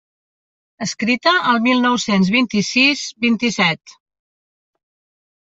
Escrita el mil nou-cents vint-i-sis-vint-i-set.